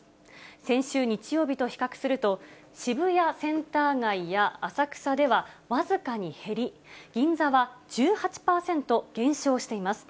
先週日曜日と比較すると、渋谷センター街や浅草では僅かに減り、銀座は１８％減少しています。